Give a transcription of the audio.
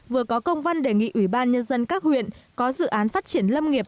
vừa có công văn đề nghị ủy ban nhân dân các huyện có dự án phát triển lâm nghiệp